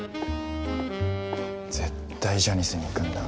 絶対ジャニスに行くんだ。